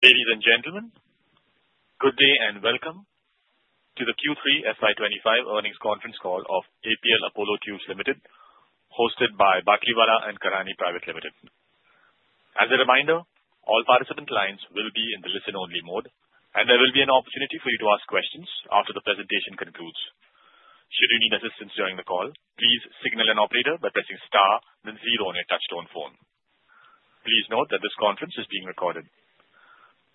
Ladies and gentlemen, good day and welcome to the Q3 FY2025 Earnings Conference Call of APL Apollo Tubes Limited, hosted by Batlivala & Karani Securities India Private Limited. As a reminder, all participant lines will be in the listen-only mode, and there will be an opportunity for you to ask questions after the presentation concludes. Should you need assistance during the call, please signal an operator by pressing star, then zero on your touch-tone phone. Please note that this conference is being recorded,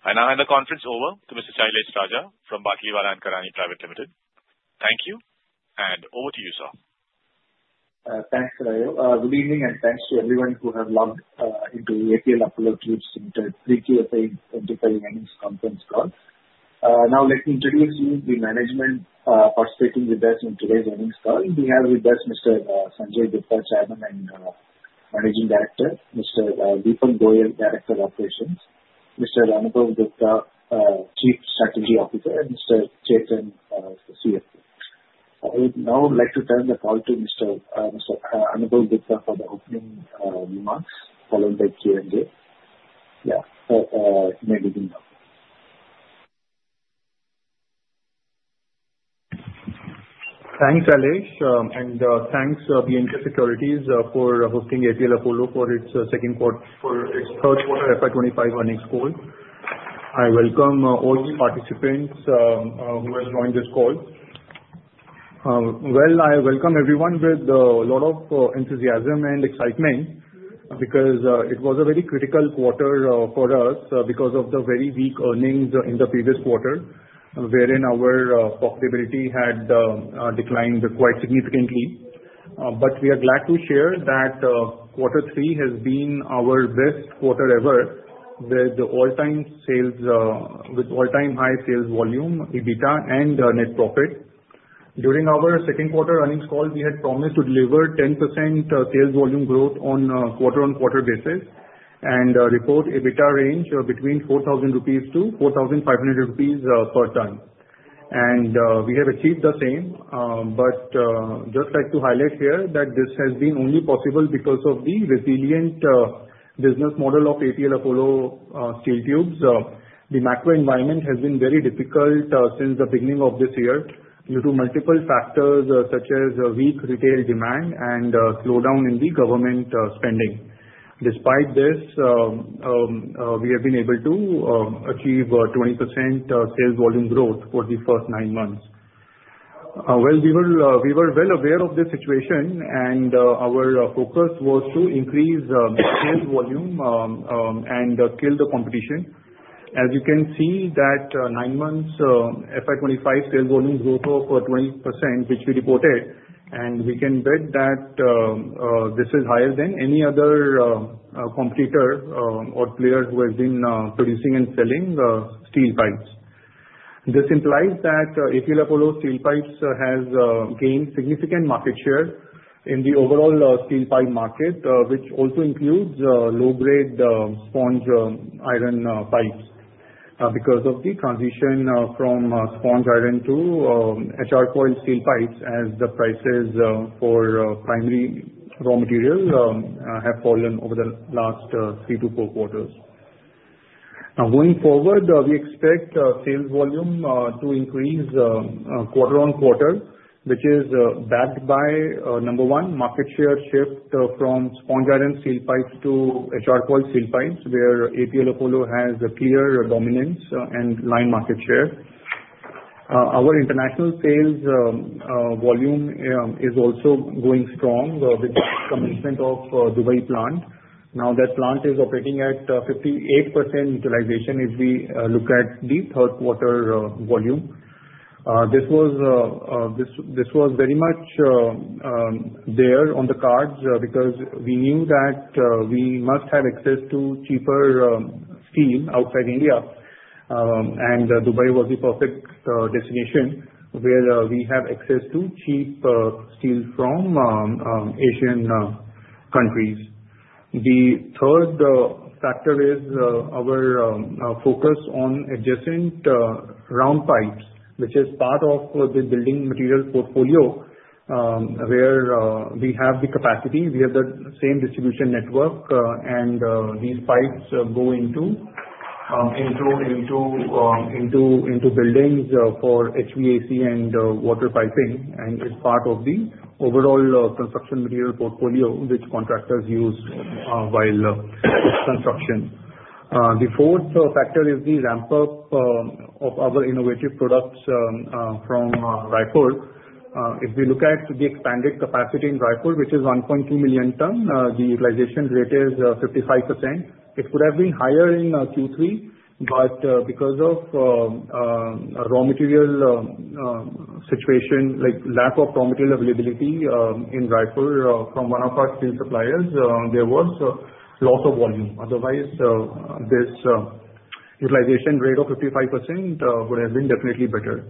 and I hand the conference over to Mr. Shailesh Raja from Batlivala & Karani Securities India Private Limited. Thank you, and over to you, sir. Thanks, Shailesh. Good evening, and thanks to everyone who has logged into APL Apollo Tubes Limited. Thank you for taking the earnings conference call. Now, let me introduce you to the management participating with us in today's earnings call. We have with us Mr. Sanjay Gupta, Chairman and Managing Director, Mr. Deepak Goyal, Director of Operations, Mr. Anubhav Gupta, Chief Strategy Officer, and Mr. Chetan, CFO. I would now like to turn the call to Mr. Anubhav Gupta for the opening remarks, followed by Q&A. Yeah, maybe we can go. Thanks, Shailesh, and thanks to Batlivala & Karani Securities for hosting APL Apollo for its Q3 FY2025 earnings call. I welcome all the participants who have joined this call. I welcome everyone with a lot of enthusiasm and excitement because it was a very critical quarter for us because of the very weak earnings in the previous quarter, wherein our profitability had declined quite significantly. But we are glad to share that quarter three has been our best quarter ever with all-time high sales volume, EBITDA, and net profit. During our Q2 earnings call, we had promised to deliver 10% sales volume growth on a quarter-on-quarter basis and report EBITDA range between 4,000 rupees to 4,500 rupees per ton. And we have achieved the same, but just like to highlight here that this has been only possible because of the resilient business model of APL Apollo Steel Tubes. The macro environment has been very difficult since the beginning of this year due to multiple factors such as weak retail demand and slowdown in the government spending. Despite this, we have been able to achieve 20% sales volume growth for the first nine months. Well, we were well aware of this situation, and our focus was to increase sales volume and kill the competition. As you can see, that nine months' FY2025 sales volume growth of 20%, which we reported, and we can bet that this is higher than any other competitor or player who has been producing and selling steel pipes. This implies that APL Apollo Tubes has gained significant market share in the overall steel pipe market, which also includes low-grade sponge iron pipes. Because of the transition from sponge iron pipes to HR coil steel pipes, as the prices for primary raw material have fallen over the last three to four quarters. Now, going forward, we expect sales volume to increase quarter on quarter, which is backed by, number one, market share shift from sponge iron pipes to HR coil steel pipes, where APL Apollo has a clear dominance and line market share. Our international sales volume is also going strong with the commitment of the Dubai plant. Now, that plant is operating at 58% utilization if we look at the Q3 volume. This was very much there on the cards because we knew that we must have access to cheaper steel outside India, and Dubai was the perfect destination where we have access to cheap steel from Asian countries. The third factor is our focus on adjacent round pipes, which is part of the building material portfolio where we have the capacity. We have the same distribution network, and these pipes go into buildings for HVAC and water piping and is part of the overall construction material portfolio which contractors use while construction. The fourth factor is the ramp-up of our innovative products from Raipur. If we look at the expanded capacity in Raipur, which is 1.2 million tons, the utilization rate is 55%. It could have been higher in Q3, but because of raw material situation, like lack of raw material availability in Raipur from one of our steel suppliers, there was loss of volume. Otherwise, this utilization rate of 55% would have been definitely better.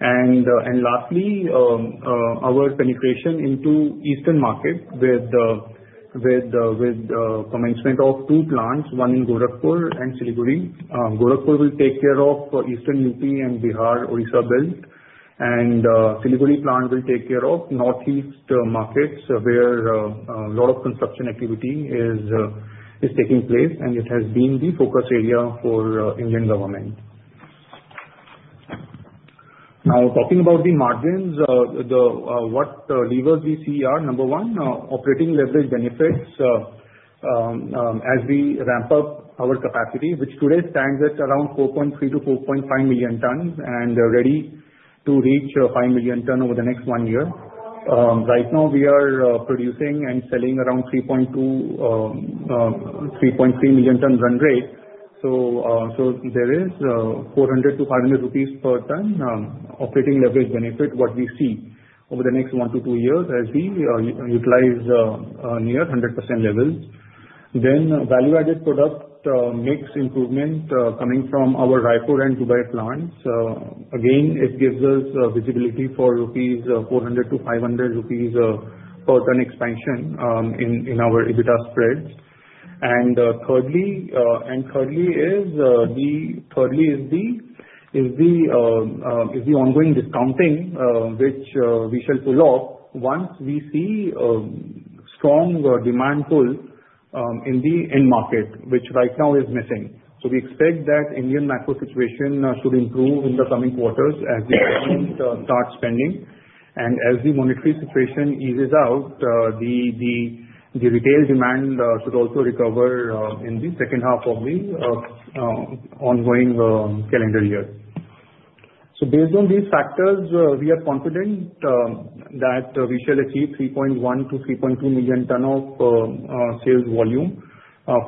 And lastly, our penetration into Eastern markets with the commencement of two plants, one in Gorakhpur and Siliguri. Gorakhpur will take care of Eastern UP and Bihar-Orissa belt, and Siliguri plant will take care of Northeast markets where a lot of construction activity is taking place, and it has been the focus area for Indian government. Now, talking about the margins, what levers we see are, number one, operating leverage benefits as we ramp up our capacity, which today stands at around 4.3-4.5 million tons and ready to reach 5 million tons over the next one year. Right now, we are producing and selling around 3.3 million tons run rate. So there is 400-500 rupees per ton operating leverage benefit what we see over the next one to two years as we utilize near 100% levels. Then value-added product mix improvement coming from our Raipur and Dubai plants. Again, it gives us visibility for 400-500 rupees per ton expansion in our EBITDA spreads. Thirdly, the ongoing discounting, which we shall pull off once we see strong demand pull in the end market, which right now is missing. We expect that Indian macro situation should improve in the coming quarters as we start spending, and as the monetary situation eases out, the retail demand should also recover in the second half of the ongoing calendar year. Based on these factors, we are confident that we shall achieve 3.1-3.2 million tons of sales volume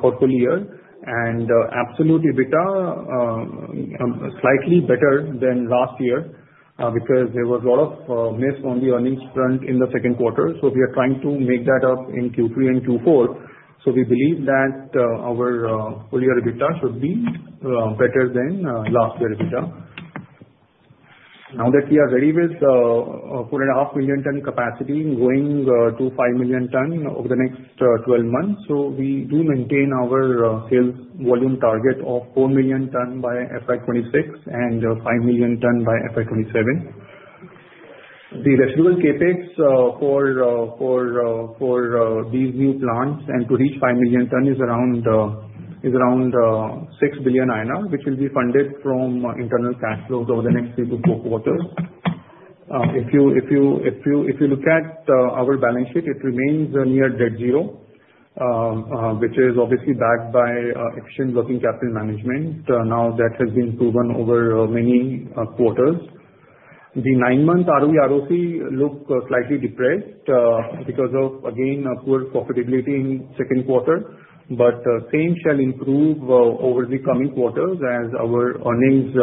for full year, and absolute EBITDA slightly better than last year because there was a lot of miss on the earnings front in the Q2. We are trying to make that up in Q3 and Q4. We believe that our full year EBITDA should be better than last year EBITDA. Now that we are ready with 4.5 million ton capacity going to 5 million ton over the next 12 months, so we do maintain our sales volume target of 4 million ton by FY2026 and 5 million ton by FY2027. The residual CapEx for these new plants and to reach 5 million ton is around 6 billion INR, which will be funded from internal cash flows over the next three to four quarters. If you look at our balance sheet, it remains near debt zero, which is obviously backed by efficient working capital management now that has been proven over many quarters. The nine-month ROE/ROC look slightly depressed because of, again, poor profitability in Q2, but same shall improve over the coming quarters as our earnings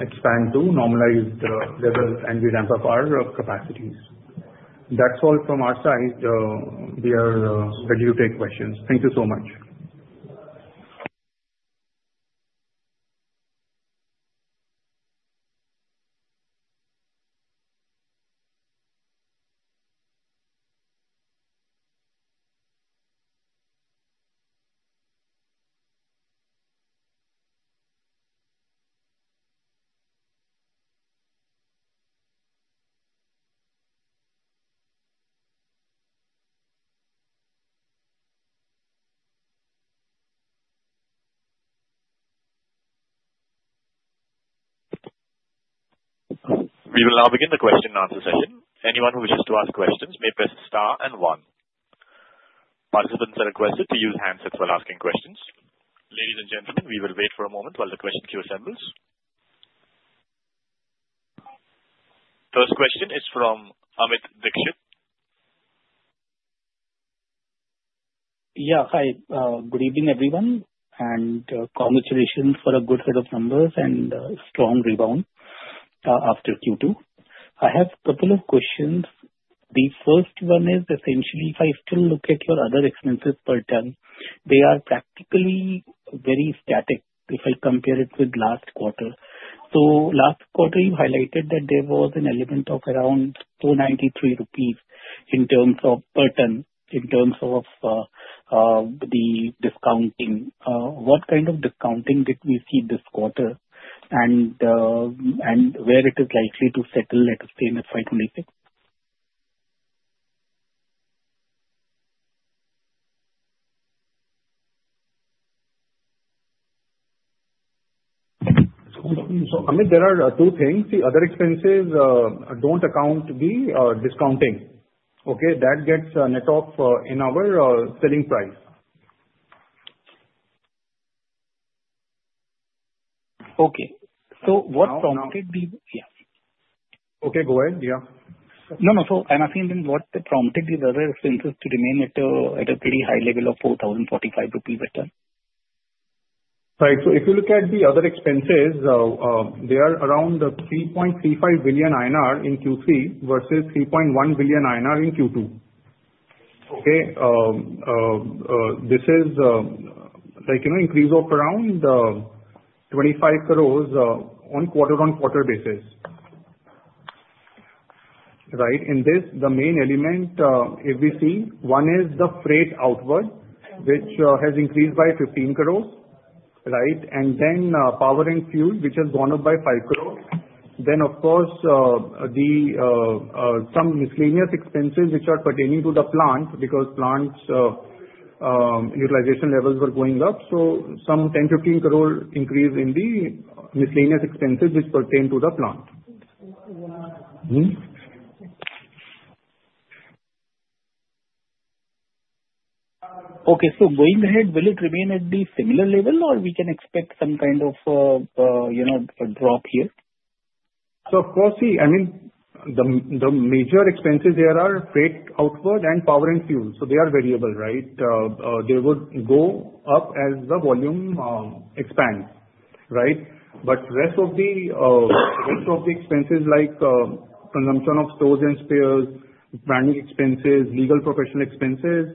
expand to normalize levels and we ramp up our capacities. That's all from our side. We are ready to take questions. Thank you so much. We will now begin the question and answer session. Anyone who wishes to ask questions may press star and one. Participants are requested to use handsets while asking questions. Ladies and gentlemen, we will wait for a moment while the question queue assembles. First question is from Amit Dixit. Yeah, hi. Good evening, everyone, and congratulations for a good set of numbers and strong rebound after Q2. I have a couple of questions. The first one is essentially, if I still look at your other expenses per ton, they are practically very static if I compare it with last quarter. So last quarter, you highlighted that there was an element of around 493 rupees in terms of per ton, in terms of the discounting. What kind of discounting did we see this quarter and where it is likely to settle at the same as FY2026? So Amit, there are two things. The other expenses don't account the discounting. Okay? That gets net off in our selling price. Okay, so what prompted the, yeah. Okay, go ahead. Yeah. No, no. So I'm asking what prompted the other expenses to remain at a pretty high level of 4,045 rupees per ton? Right. So if you look at the other expenses, they are around 3.35 billion INR in Q3 versus 3.1 billion INR in Q2. Okay? This is an increase of around 25 crores on quarter-on-quarter basis. Right? In this, the main element if we see, one is the freight outward, which has increased by 15 crores. Right? And then power and fuel, which has gone up by 5 crores. Then, of course, some miscellaneous expenses which are pertaining to the plant because plant utilization levels were going up. So some 10-15 crore increase in the miscellaneous expenses which pertain to the plant. Okay, so going ahead, will it remain at the similar level, or we can expect some kind of drop here? So of course, see, I mean, the major expenses here are freight outward and power and fuel. So they are variable, right? They would go up as the volume expands. Right? But rest of the expenses like consumption of stores and spares, branding expenses, legal professional expenses,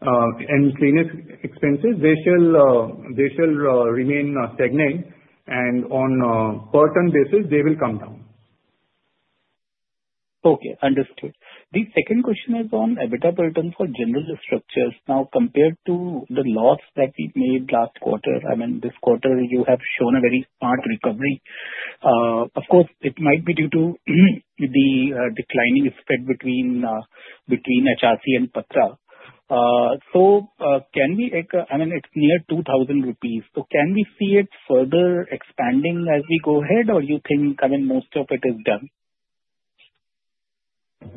and miscellaneous expenses, they shall remain stagnant. And on per ton basis, they will come down. Okay. Understood. The second question is on EBITDA per ton for general structures. Now, compared to the loss that we made last quarter, I mean, this quarter, you have shown a very smart recovery. Of course, it might be due to the declining spread between HRC and patra. So can we, I mean, it's near 2,000 rupees. So can we see it further expanding as we go ahead, or you think, I mean, most of it is done?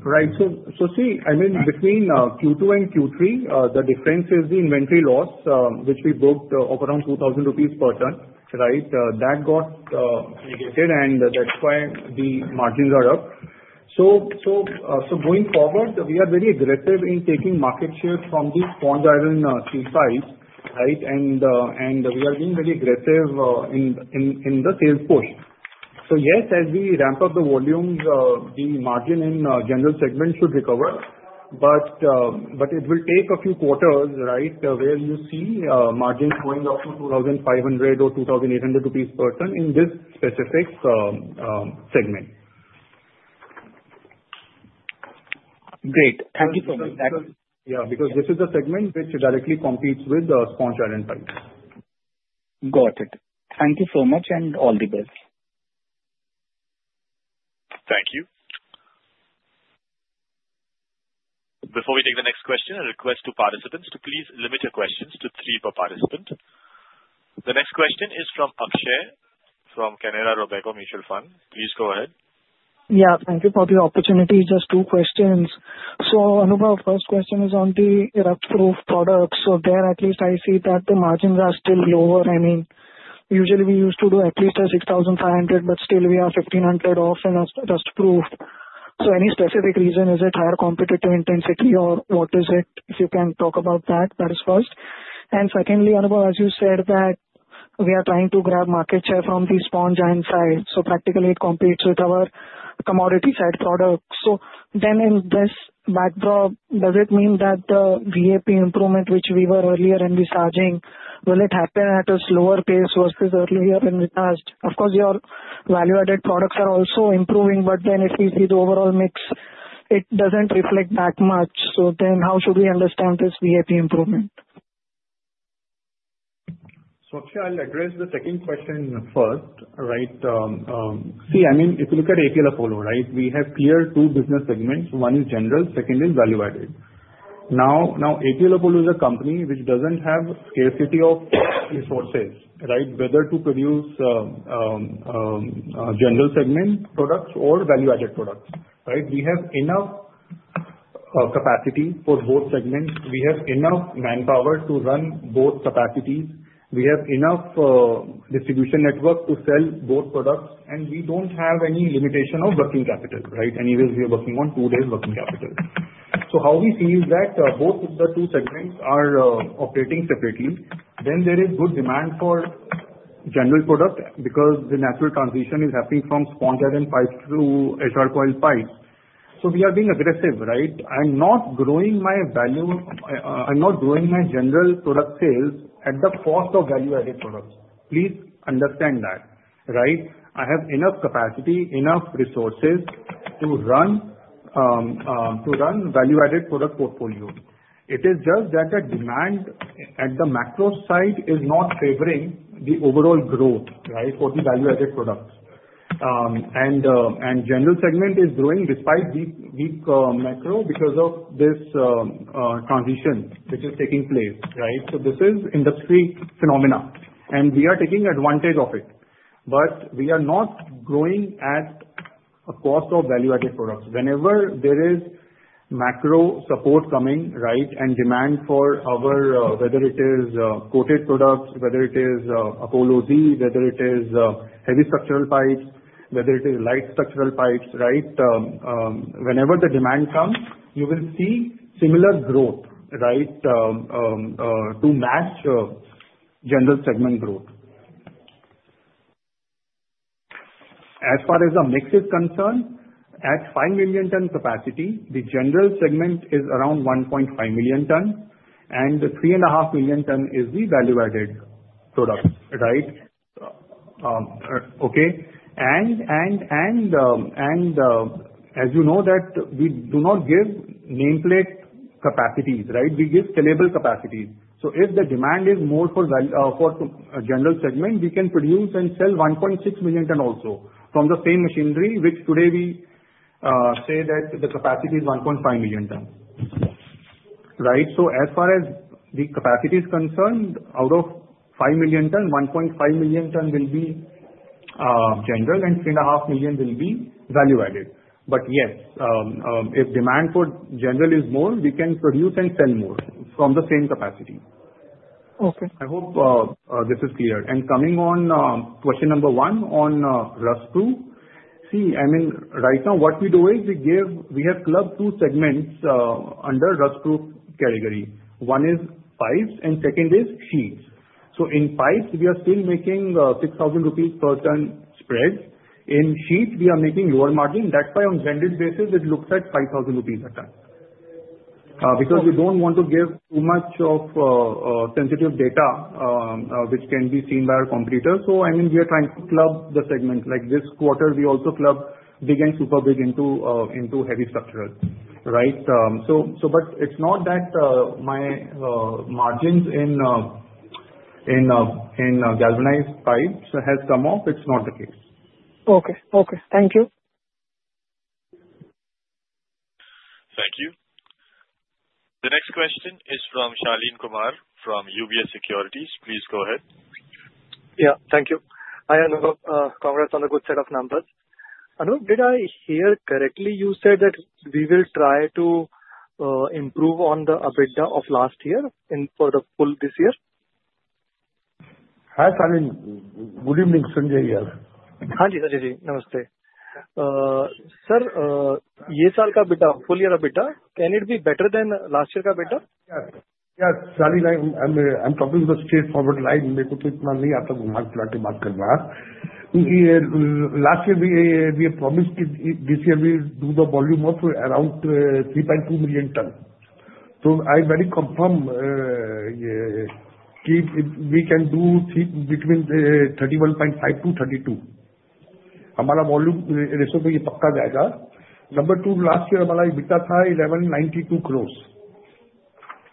Right. So see, I mean, between Q2 and Q3, the difference is the inventory loss, which we booked of around 2,000 rupees per ton. Right? That got negated, and that's why the margins are up. So going forward, we are very aggressive in taking market share from the sponge iron steel pipes. Right? And we are being very aggressive in the sales push. So yes, as we ramp up the volumes, the margin in general segment should recover. But it will take a few quarters, right, where you see margins going up to 2,500 or 2,800 rupees per ton in this specific segment. Great. Thank you so much. Yeah, because this is a segment which directly competes with the sponge iron pipes. Got it. Thank you so much and all the best. Thank you. Before we take the next question, a request to participants to please limit your questions to three per participant. The next question is from Akshay from Canara Robeco Mutual Fund. Please go ahead. Yeah. Thank you for the opportunity. Just two questions. So Anubhav, first question is on the rust-proof products. So there, at least I see that the margins are still lower. I mean, usually we used to do at least 6,500, but still we are 1,500 off in rust-proof. So any specific reason? Is it higher competitive intensity, or what is it? If you can talk about that, that is first. And secondly, Anubhav, as you said that we are trying to grab market share from the sponge iron side. So practically, it competes with our commodity-side products. So then in this backdrop, does it mean that the VAP improvement which we were earlier in the surging, will it happen at a slower pace versus earlier in the past? Of course, your value-added products are also improving, but then if we see the overall mix, it doesn't reflect that much. So then how should we understand this VAP improvement? So Akshay, I'll address the second question first. Right? See, I mean, if you look at APL Apollo, right, we have clear two business segments. One is general, second is value-added. Now, APL Apollo is a company which doesn't have scarcity of resources, right, whether to produce general segment products or value-added products. Right? We have enough capacity for both segments. We have enough manpower to run both capacities. We have enough distribution network to sell both products, and we don't have any limitation of working capital. Right? Anyways, we are working on two days' working capital. So how we see is that both of the two segments are operating separately. Then there is good demand for general product because the natural transition is happening from sponge iron pipes to HR coil pipes. So we are being aggressive. Right? I'm not growing my value - I'm not growing my general product sales at the cost of value-added products. Please understand that. Right? I have enough capacity, enough resources to run value-added product portfolio. It is just that the demand at the macro side is not favoring the overall growth, right, for the value-added products. And general segment is growing despite weak macro because of this transition which is taking place. Right? So this is industry phenomena, and we are taking advantage of it. But we are not growing at a cost of value-added products. Whenever there is macro support coming, right, and demand for our - whether it is coated products, whether it is Apollo Z, whether it is heavy structural pipes, whether it is light structural pipes, right, whenever the demand comes, you will see similar growth, right, to match general segment growth. As far as the mix is concerned, at 5 million ton capacity, the general segment is around 1.5 million ton, and 3.5 million ton is the value-added product. Right? Okay? And as you know, that we do not give nameplate capacities. Right? We give scalable capacities. So if the demand is more for general segment, we can produce and sell 1.6 million ton also from the same machinery, which today we say that the capacity is 1.5 million ton. Right? So as far as the capacity is concerned, out of 5 million ton, 1.5 million ton will be general, and 3.5 million will be value-added. But yes, if demand for general is more, we can produce and sell more from the same capacity. I hope this is clear. Coming on question number one on rust-proof, see, I mean, right now what we do is we have clubbed two segments under rust-proof category. One is pipes, and second is sheets. So in pipes, we are still making 6,000 rupees per ton spread. In sheet, we are making lower margin. That's why on standard basis, it looks at 5,000 rupees a ton because we don't want to give too much of sensitive data which can be seen by our competitors. So I mean, we are trying to club the segment. Like this quarter, we also club big and super big into heavy structural. Right? But it's not that my margins in galvanized pipes has come off. It's not the case. Okay. Thank you. Thank you. The next question is from Shaleen Kumar from UBS Securities. Please go ahead. Yeah. Thank you. Hi, Anubhav. Congrats on the good set of numbers. Anubhav, did I hear correctly? You said that we will try to improve on the EBITDA of last year for the full this year? Hi, Shaleen. Good evening, Sanjay here. Haan ji, Sanjay ji, namaste. Sir, yah saal ka EBITDA, full year EBITDA, can it be better than last year ka EBITDA? Yes. Shalin, I'm talking the straightforward line. मेरे को तो इतना नहीं आता भाग-दौड़ के बात करना. Last year bhi promise ki, this year bhi do the volume of around 3.2 million ton. So I very confirm ki we can do between 3.15 to 3.2. Hamara volume ratio to ye pakka jayega. Number two, last year hamara EBITDA tha 1,192 crores.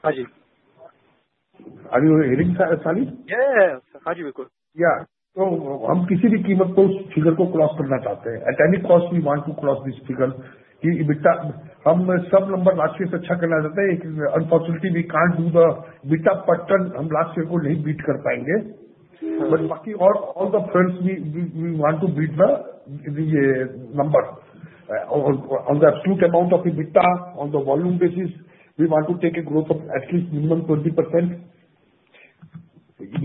हां जी. Are you hearing, Shaleen? Yes. हां जी, बिल्कुल. Yeah. तो हम किसी भी कीमत पर उस फिगर को क्रॉस करना चाहते हैं. At any cost, we want to cross this figure. EBITDA, हम सब नंबर लास्ट ईयर से अच्छा करना चाहते हैं. Unfortunately, we can't do the EBITDA per ton. हम लास्ट ईयर को नहीं बीट कर पाएंगे. But बाकी और all the firms, we want to beat the number. On the absolute amount of EBITDA, on the volume basis, we want to take a growth of at least minimum 20%.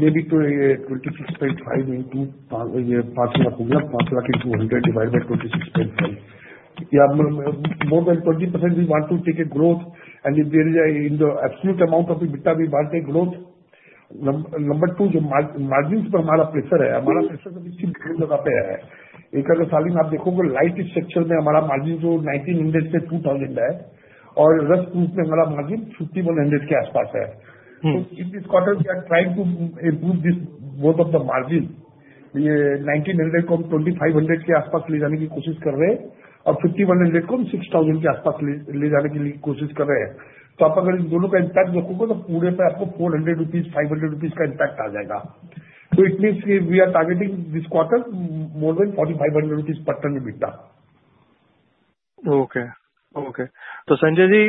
Maybe 26.5 into 50,000,000,000, 50,000,000,000 divided by 26.5. Yeah, more than 20% we want to take a growth. And if there is in the absolute amount of EBITDA, we want a growth. Number two, जो margins पर हमारा pressure है, हमारा pressure अभी किसी जगह पे है. एक अगर Shalin, आप देखोगे, light structure में हमारा margin जो 1900 से 2000 है, और rust-proof में हमारा margin 5100 के आसपास है. So in this quarter, we are trying to improve this both of the margins. ये 1900 को हम 2500 के आसपास ले जाने की कोशिश कर रहे हैं, और 5100 को हम 6000 के आसपास ले जाने की कोशिश कर रहे हैं. तो आप अगर इन दोनों का impact देखोगे, तो पूरे पे आपको INR 400, INR 500 का impact आ जाएगा. So it means we are targeting this quarter more than INR 4,500 per ton EBITDA. Okay. Okay. तो Sanjay जी,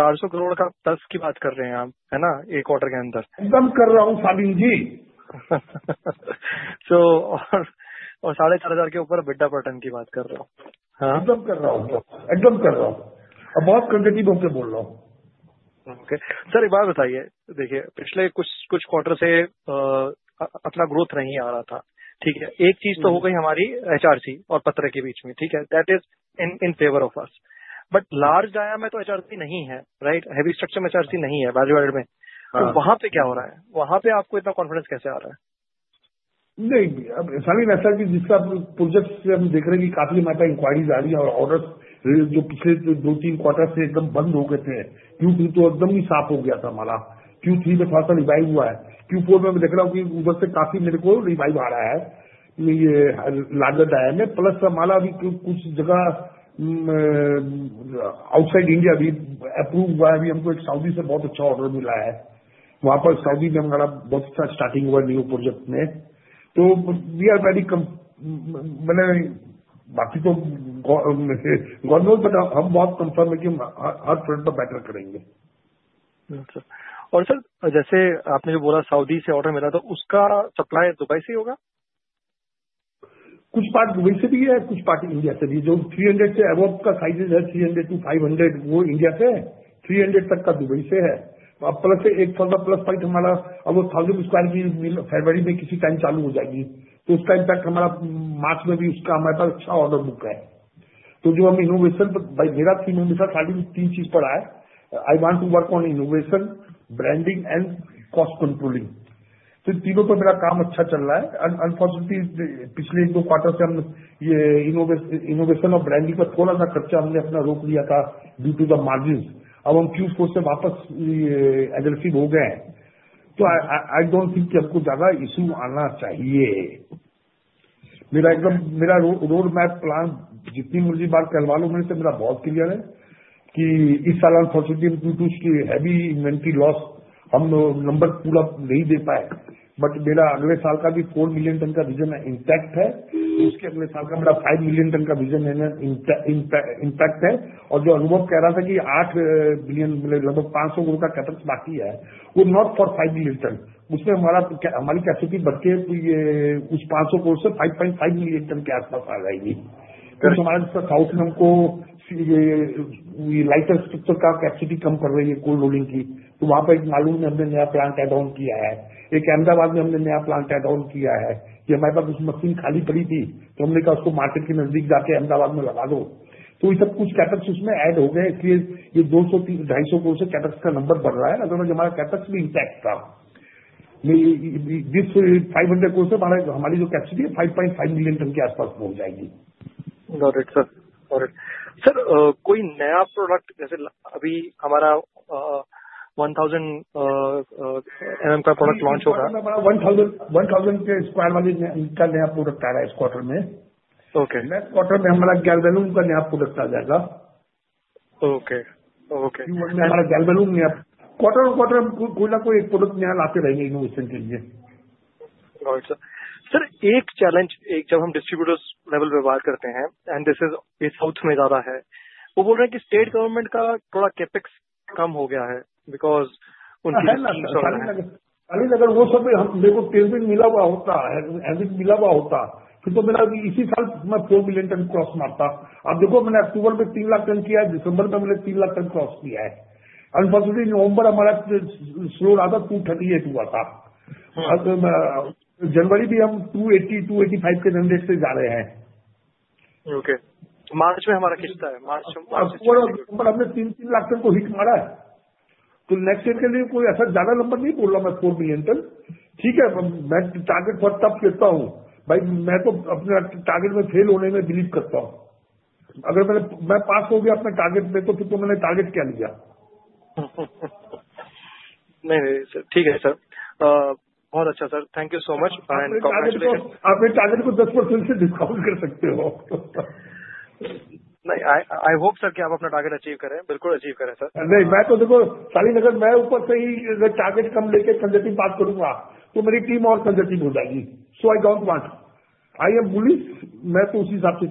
INR 400 crore का plus की बात कर रहे हैं आप, है ना, एक quarter के अंदर? Ekdam kar raha hoon, Shalin ji. और 4500 के ऊपर EBITDA per ton की बात कर रहे हो. एकदम कर रहा हूं. एकदम कर रहा हूं. अब बहुत conservative होके बोल रहा हूं. Okay. Sir, ek baat bataiye. Dekhiye, pichhle kuch-kuch quarter se apna growth nahi aa raha tha. Theek hai. Ek cheez to ho gayi hamari HRC aur patra ke beech mein. Theek hai. That is in favor of us. But large diameter HRC nahi hai. Right? Heavy structure mein HRC nahi hai value-added mein. To vahaan pe kya ho raha hai? Vahaan pe aapko itna confidence kaise aa raha hai? No, Shalin, aisa hai ki jiska projects se hum dekh rahe hain ki kaafi amount of inquiries aa rahi hain aur orders jo pichhle do-teen quarters se ekdum band ho gaye the, Q2 to ekdum hi saaf ho gaya tha hamara. Q3 mein thoda sa revive hua hai. Q4 mein main dekh raha hoon ki udhar se kaafi mere ko revive aa raha hai ye larger diameter. Plus hamara abhi kuch jagah outside India bhi approved hua hai. Abhi humko ek Saudi se bahut accha order mila hai. Wahan par Saudi mein hamara bahut accha starting hua hai new project mein. To we are very matlab baaki to God knows, but hum bahut confident hain ki har front par better karenge. Okay. और sir, जैसे आपने जो बोला Saudi से order मिला, तो उसका supply Dubai से ही होगा? Kuch part Dubai se bhi hai, kuch part India se bhi. Jo 300 se above ka sizes hai, 300 to 500, wo India se hai, 300 tak ka Dubai se hai. Plus ek thoda sa plus point hamara ab wo 1000 square ki February mein kisi time chalu ho jayegi. To uska impact hamara March mein bhi uska hamare pas achha order book hai. To jo hum innovation par, mera team hamesha Shaleen teen cheez par aaya hai. I want to work on innovation, branding and cost controlling. To in teeno par mera kaam achha chal raha hai. Unfortunately, pichhle ek-do quarter se hum yeh innovation aur branding par thoda sa kharcha humne apna rok liya tha due to the margins. Ab hum Q4 se wapas aggressive ho gaye hain. To I don't think ki humko jyada issue aana chahiye. Mera ekdum mera roadmap plan jitni marzi baar kahalwa lo, mere se mera bahut clear hai ki is saal unfortunately due to heavy inventory loss hum number poora nahi de paaye. But mera agle saal ka bhi 4 million ton ka vision hai, intact hai. Uske agle saal ka mera 5 million ton ka vision hai, intact hai. Aur jo Anubhav keh raha tha ki 8 million, matlab lagbhag INR 500 crore ka Capex baaki hai, wo not for 5 million ton. Usmein hamara hamari capacity badh ke us INR 500 crore se 5.5 million ton ke aaspaas aa jayegi. Plus hamara jiska South mein humko ye light structural ka capacity kam pad rahi hai cold rolling ki, to wahan par ek Malur mein humne naya plant add on kiya hai. Ek Ahmedabad mein humne naya plant add on kiya hai. ये हमारे पास उस machine खाली पड़ी थी, तो हमने कहा उसको market के नजदीक जाके अहमदाबाद में लगा दो. तो ये सब कुछ CapEx उसमें add हो गए. इसलिए ये 200-250 crore से CapEx का नंबर बढ़ रहा है. अगर हमारा CapEx भी intact था, this 500 crore से हमारी जो capacity है, 5.5 मिलियन टन के आसपास पहुंच जाएगी. Got it, sir. All right. Sir, कोई नया product जैसे अभी हमारा 1000 का product launch होगा. Hamara 1000 ke square wale ka naya product aa raha hai is quarter mein. Okay. Next quarter में हमारा Galvalume का नया product आ जाएगा. Okay. Okay. Q1 में हमारा Galvalume नया quarter on quarter कोई ना कोई एक product नया लाते रहेंगे innovation के लिए. All right, sir. Sir, ek challenge, ek jab hum distributors level pe baat karte hain, and this is ye South mein jyada hai, wo bol rahe hain ki state government ka thoda capex kam ho gaya hai because unki. Shalin, Shalin, अगर वो सब मेरे को payment मिला हुआ होता, mileage मिला हुआ होता, तो मेरा इसी साल मैं 4 मिलियन टन cross मारता. अब देखो, मैंने October में 3 लाख टन किया है, December में मैंने 3 लाख टन cross किया है. Unfortunately, November हमारा slow रहा था, 238 हुआ था. अब जनवरी भी हम 280-285 के mileage से जा रहे हैं. Okay. मार्च में हमारा किस्सा है. मार्च. December, हमने 3-3 लाख टन को hit मारा है. तो next year के लिए कोई ऐसा ज्यादा नंबर नहीं बोल रहा हूं मैं 4 मिलियन टन. ठीक है, मैं target बहुत tough कहता हूं. भाई, मैं तो अपना target में fail होने में believe करता हूं. अगर मैं पास हो गया अपना target में, तो फिर तो मैंने target क्या लिया? नहीं, नहीं, नहीं, सर. ठीक है, सर. बहुत अच्छा, सर. Thank you so much and congratulations. आप मेरे target को 10% से discount कर सकते हो. नहीं, I hope, सर, कि आप अपना target achieve करें. बिल्कुल achieve करें, sir. Nahin, main to dekho, Shalin. Agar main upar se hi target kam leke conservative baat karunga, to meri team aur conservative ho jayegi. So I don't want. I am bullish, main to usi hisab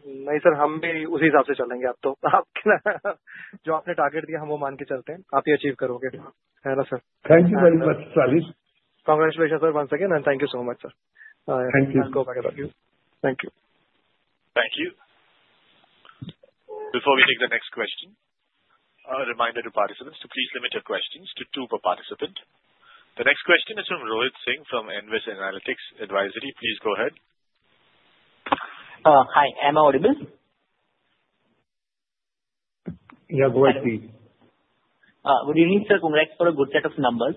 se chalunga. नहीं, sir, हम भी उसी हिसाब से चलेंगे. आप तो आपके जो आपने target दिया, हम वो मान के चलते हैं. आप ही achieve करोगे. है ना, sir? Thank you very much, Shaleen. Congratulations, sir, once again, and thank you so much, sir. Thank you. Thank you. Thank you. Before we take the next question, a reminder to participants, to please limit your questions to two per participant. The next question is from Rohit Singh from Nvest Analytics. Please go ahead. Hi, am I audible? Yeah, go ahead, please. Good evening, sir. Congrats for a good set of numbers.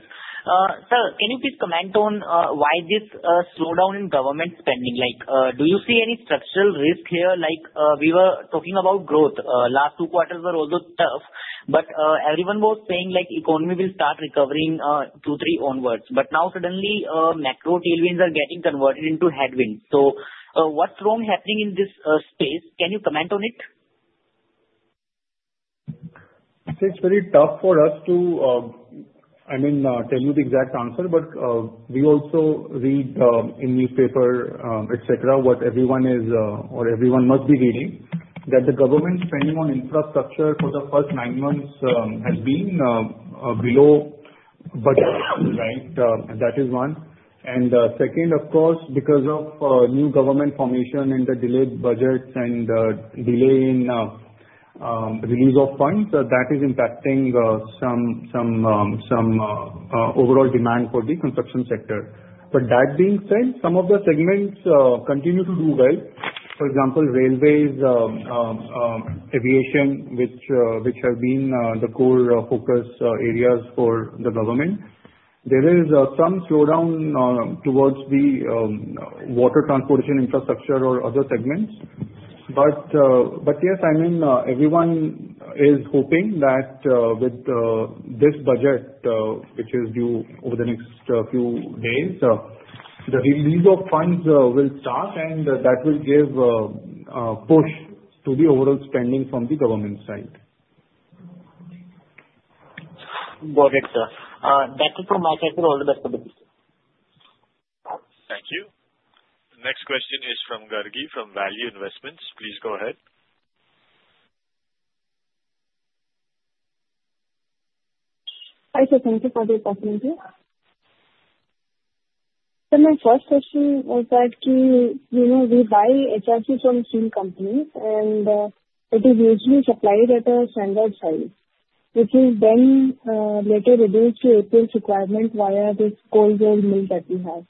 Sir, can you please comment on why this slowdown in government spending? Like, do you see any structural risk here? Like, we were talking about growth. Last two quarters were also tough, but everyone was saying like economy will start recovering Q3 onwards. But now suddenly macro tailwinds are getting converted into headwinds. So what's wrong happening in this space? Can you comment on it? It's very tough for us to, I mean, tell you the exact answer, but we also read in newspaper, etc., what everyone is or everyone must be reading, that the government spending on infrastructure for the first nine months has been below budget, right? That is one, and second, of course, because of new government formation and the delayed budgets and delay in release of funds, that is impacting some overall demand for the construction sector, but that being said, some of the segments continue to do well. For example, railways, aviation, which have been the core focus areas for the government. There is some slowdown towards the water transportation infrastructure or other segments. But yes, I mean, everyone is hoping that with this budget, which is due over the next few days, the release of funds will start and that will give a push to the overall spending from the government side. Got it, sir. That's it from my side. All the best for the day. Thank you. The next question is from Gargi from ValueQuest. Please go ahead. Hi, sir. Thank you for the opportunity. So my first question was that we buy HRC from steel companies and it is usually supplied at a standard size, which is then later reduced to a requirement via this cold mill that we have.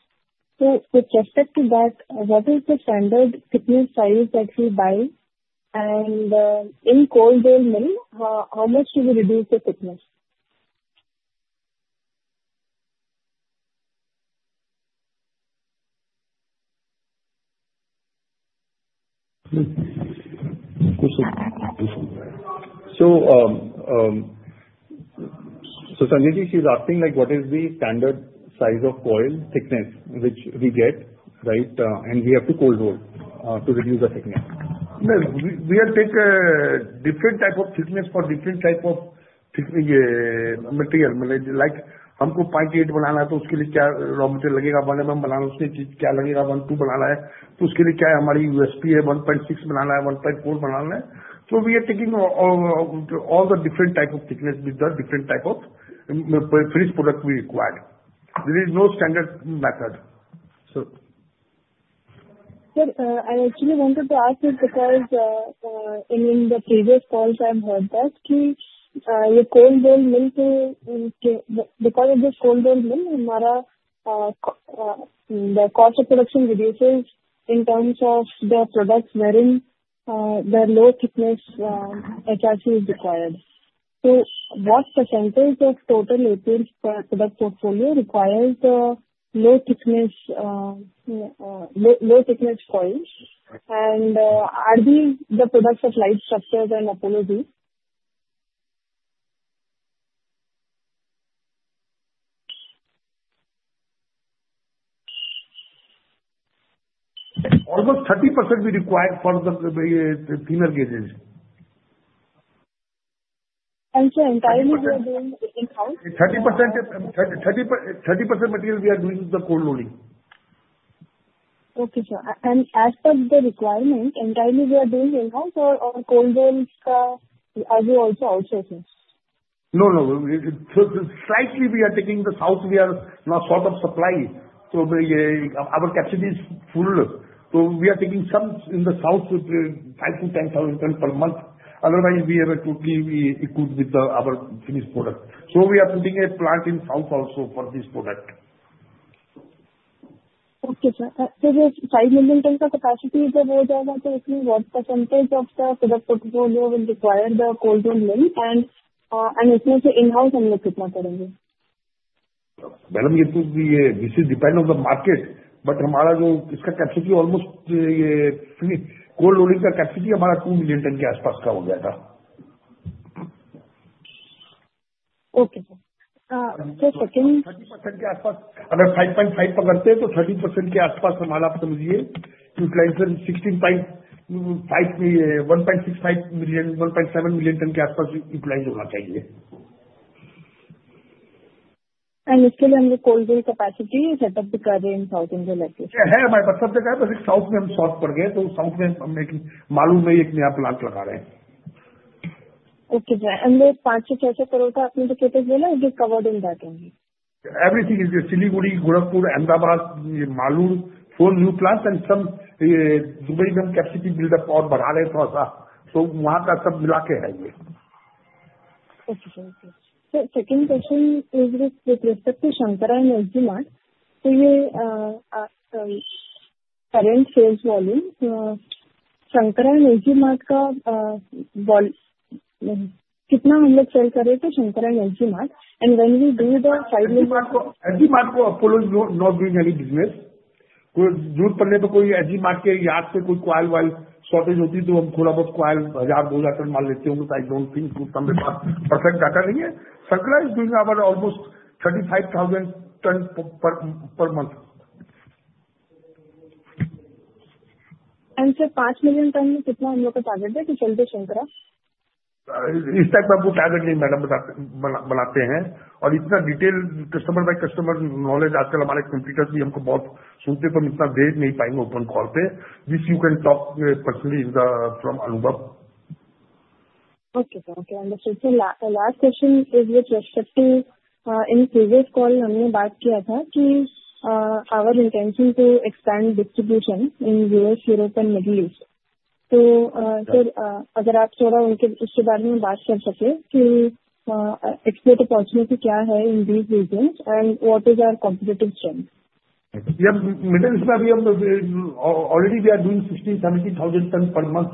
So with respect to that, what is the standard thickness size that we buy? And in cold mill, how much do we reduce the thickness? Sanjay Gupta is asking like what is the standard size of coil thickness, which we get, right? And we have to cold roll to reduce the thickness. We have to take a different type of thickness for different type of material. Like हमको 0.8 बनाना है तो उसके लिए क्या raw material लगेगा? 1 बनाना है तो उसके लिए क्या लगेगा? 1.2 बनाना है तो उसके लिए क्या है? हमारी USP है 1.6 बनाना है, 1.4 बनाना है. So we are taking all the different type of thickness with the different type of finished product we required. There is no standard method. Sir, I actually wanted to ask it because in the previous calls I've heard that the cold mill too because of this cold mill, the cost of production reduces in terms of the products wherein the low thickness HRC is required. So what percentage of total APL product portfolio requires low thickness coils? And are these the products of light structures and Apollo Z? Almost 30% we require for the thinner gauges. Sir, entirely we are doing in-house? 30% material we are doing with the cold rolling. Okay, sir, and as per the requirement, entirely we are doing in-house or cold rolls, are you also outsourcing? No, no. Slightly we are taking the South. We are not short of supply. So our capacity is full. So we are taking some in the South, 5 to 10 thousand tons per month. Otherwise, we have to be equipped with our finished product. So we are putting a plant in South also for this product. Okay, sir. So this five million ton capacity जब हो जाएगा, तो इसमें what percentage of the product portfolio will require the cold roll mill? And इसमें से in-house हम लोग कितना करेंगे? Madam, this depends on the market. But हमारा जो इसका capacity almost cold rolling का capacity हमारा 2 million tons के आसपास का हो जाएगा. Okay, sir. So second. 30% के आसपास. अगर 5.5 पकड़ते हैं तो 30% के आसपास हमारा समझिए utilization 16.5, 1.65 million, 1.7 million ton के आसपास utilize होना चाहिए. इसके लिए हम लोग cold roll capacity set up भी कर रहे हैं south in the latest? Hai hamare paas. Tab tak hai bas ek South mein hum short pad gaye. To South mein hum ek Malur hai ek naya plant laga rahe hain. Okay, sir. And those 500-600 crore का आपने जो Capex बोला, it is covered in that only? Everything is Siliguri, Gorakhpur, Ahmedabad, Malur, four new plants and some Dubai mein hum capacity build up aur badha rahe hain thoda sa. So wahan ka sab mila ke hai ye. Okay, sir. Okay, sir. So second question is with respect to Shankara and Apollo Mart. So ये current sales volume, Shankara and Apollo Mart का कितना हम लोग sell कर रहे थे Shankara and Apollo Mart? And when we do the side. Shankara ko, Shankara ko Apollo not being any business. Door padne par koi Shankara ke yaad se koi coil wise shortage hoti to hum thoda bahut coil thousand, two thousand ton maan lete honge. So I don't think some perfect data nahi hai. Shankara is doing our almost 35,000 ton per month. Sir, 5 million tons में कितना हम लोग का target है to sell to Shankara? Is type ka koi target nahi, madam, banate hain. Aur itna detail customer by customer knowledge aajkal hamare competitors bhi humko bahut sunte hain par hum itna bhej nahi payenge open call pe. This you can talk personally from Anubhav. Okay, sir. Okay, understood. So last question is with respect to, in previous call, हमने बात किया था कि our intention to expand distribution in U.S., Europe and Middle East. तो sir, अगर आप थोड़ा उनके उसके बारे में बात कर सके कि export opportunity क्या है in these regions and what is our competitive strength? Yeah, Middle East में अभी हम already we are doing 60,000-70,000 tons per month.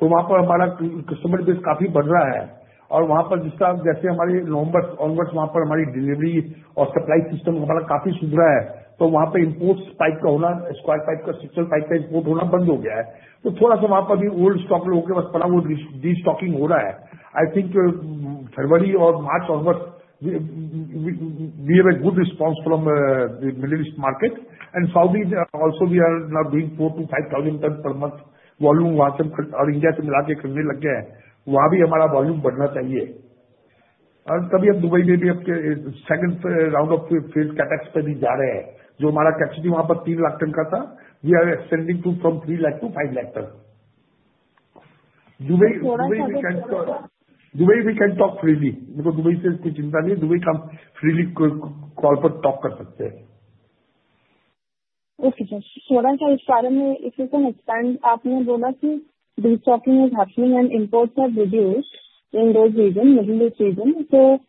तो वहां पर हमारा customer base काफी बढ़ रहा है. और वहां पर जिसका जैसे हमारे onwards वहां पर हमारी delivery और supply system हमारा काफी सुधरा है. तो वहां पर imports pipe का होना, square pipe का, structural pipe का import होना बंद हो गया है. तो थोड़ा सा वहां पर भी old stock लोगों के पास पड़ा वो restocking हो रहा है. I think February और March onwards we have a good response from the Middle East market. And South East also we are now doing four to five thousand tons per month volume वहां से और India से मिला के करने लग गए हैं. वहां भी हमारा volume बढ़ना चाहिए. और तभी हम Dubai में भी अब के second round of phase capex पर भी जा रहे हैं. जो हमारा capacity वहां पर 3 लाख टन का था, we are extending to from 3 lakh to 5 lakh ton. Dubai we can talk freely. देखो, Dubai से कोई चिंता नहीं है. Dubai से हम freely call पर talk कर सकते हैं. Okay, Sir, regarding, इस बारे में if you can expand, आपने बोला कि restocking is happening and imports have reduced in those regions, Middle East region. So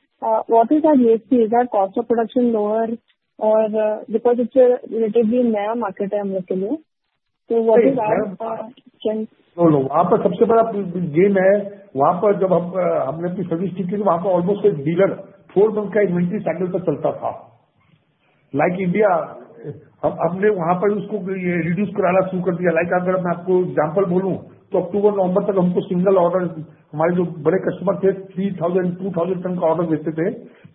what is our USP? Is our cost of production lower? और because it's a relatively नया market है हम लोग के लिए. तो what is our chance? No, no. वहां पर सबसे बड़ा game है. वहां पर जब हमने अपनी service taken थी, वहां पर almost एक dealer four month का inventory cycle पर चलता था. Like in India, हमने वहां पर उसको reduce कराना शुरू कर दिया. Like अगर मैं आपको example बोलूं, तो October-November तक हमको single order, हमारे जो बड़े customer थे, 3,000-2,000 ton का order भेजते थे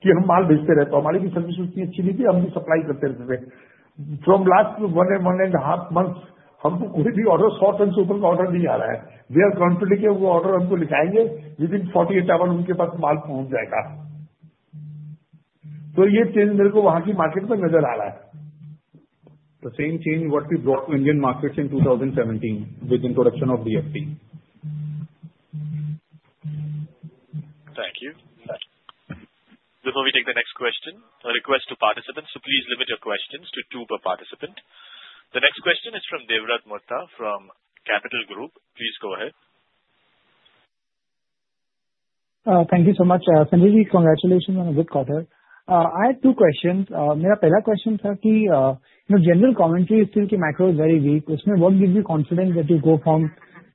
कि हम माल भेजते रहे. तो हमारी भी service उतनी अच्छी नहीं थी, हम भी supply करते रहते थे. From the last one and a half months, हमको कोई भी order 100 ton से ऊपर का order नहीं आ रहा है. They are confident कि वो order हमको लिखाएंगे, within 48 hours उनके पास माल पहुंच जाएगा. तो ये change मेरे को वहां की market में नजर आ रहा है. The same change what we brought to Indian markets in 2017 with introduction of DFT. Thank you. Before we take the next question, a request to participants. So please limit your questions to two per participant. The next question is from Devvrat Mohta from Capital Group. Please go ahead. Thank you so much. Sanjay Gupta, congratulations on a good quarter. I had two questions. मेरा पहला question था कि general commentary is still कि macro is very weak. उसमें what gives you confidence that you go from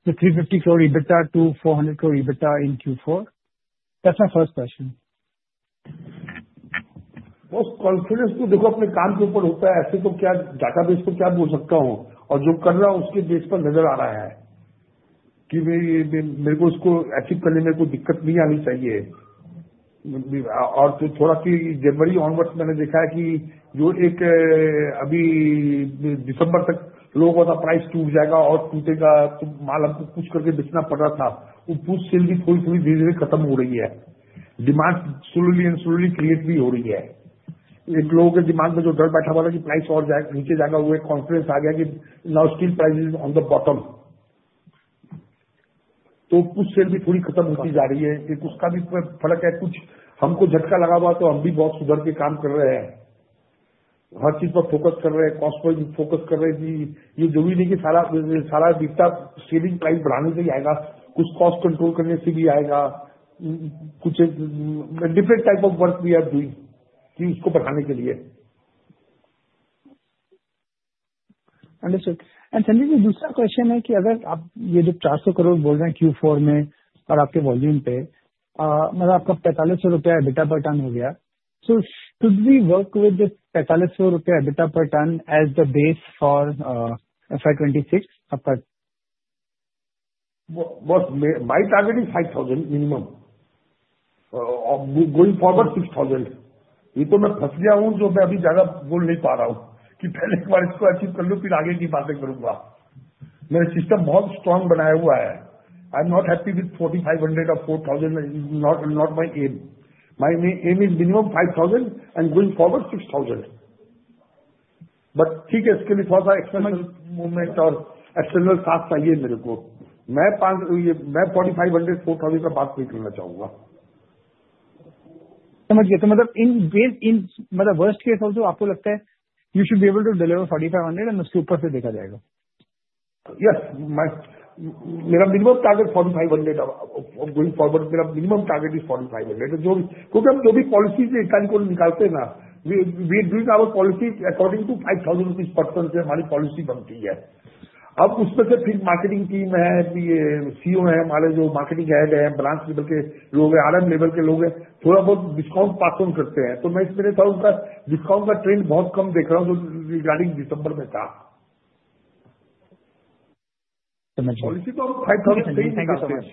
the 350 crore EBITDA to 400 crore EBITDA in Q4? That's my first question. Most confidence तो देखो, अपने काम के ऊपर होता है. ऐसे तो क्या database को क्या बोल सकता हूं? और जो कर रहा हूं, उसके base पर नजर आ रहा है कि मेरे को उसको achieve करने में कोई दिक्कत नहीं आनी चाहिए. और थोड़ा की जनवरी onwards मैंने देखा है कि जो एक अभी दिसंबर तक लोगों का प्राइस टूट जाएगा और टूटेगा, तो माल हमको पुश करके बेचना पड़ रहा था. वो पुश सेल भी थोड़ी-थोड़ी धीरे-धीरे खत्म हो रही है. Demand slowly and slowly create भी हो रही है. एक लोगों के दिमाग में जो डर बैठा हुआ था कि प्राइस और जाएगा, नीचे जाएगा, वो एक confidence आ गया कि now steel price is on the bottom. तो पुश सेल भी थोड़ी खत्म होती जा रही है. एक उसका भी फर्क है, कुछ हमको झटका लगा हुआ है, तो हम भी बहुत सुधर के काम कर रहे हैं. हर चीज पर focus कर रहे हैं, cost पर focus कर रहे हैं. ये जरूरी नहीं कि सारा EBITDA सेलिंग प्राइस बढ़ाने से ही आएगा. कुछ cost control करने से भी आएगा. कुछ different type of work we are doing कि उसको बढ़ाने के लिए. Understood. And Sanjay Gupta, दूसरा question है कि अगर आप ये जो 400 crore बोल रहे हैं Q4 में और आपके volume पे, मतलब आपका 4,500 EBITDA per ton हो गया. So should we work with this 4,500 EBITDA per ton as the base for FY2026? My target is 5,000 minimum. Going forward 6,000. ये तो मैं फंस गया हूं, जो मैं अभी ज्यादा बोल नहीं पा रहा हूं. कि पहले एक बार इसको achieve कर लूं, फिर आगे की बातें करूंगा. मैंने system बहुत strong बनाया हुआ है. I'm not happy with 4,500 or 4,000, not my aim. My aim is minimum 5,000 and going forward 6,000. But ठीक है, इसके लिए थोड़ा सा external movement और external task चाहिए मेरे को. मैं 4,500-4,000 का बात नहीं करना चाहूंगा. समझ गया. तो मतलब in worst case also आपको लगता है you should be able to deliver 4,500 and उसके ऊपर से देखा जाएगा. Yes. मेरा minimum target 4,500. Going forward, मेरा minimum target is 4,500. क्योंकि हम जो भी policies internally निकालते हैं ना, we are doing our policies according to 5,000 per ton से हमारी policy बनती है. अब उसमें से फिर marketing team है, CEO है, हमारे जो marketing head हैं, balance लेवल के लोग हैं, RM लेवल के लोग हैं, थोड़ा बहुत discount pass on करते हैं. तो मैं इसमें था उनका discount का trend बहुत कम देख रहा हूं, जो regarding दिसंबर में था. समझ गया. Policy तो हम 5,000 से ही निकालते हैं.